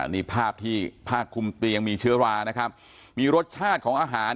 นี่ภาพที่ผ้าคุมเตียงมีเชื้อรานะครับมีรสชาติของอาหาร